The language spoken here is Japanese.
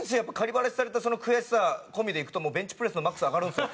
バラシされた悔しさ込みで行くともうベンチプレスのマックス上がるんですよ